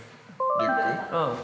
◆リュック？